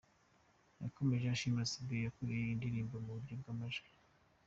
" Yakomeje ashimira studio yakoreye iyi ndirimbo mu buryo bw'amajwi.